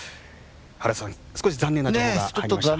原田さん、少し残念なところがありましたが。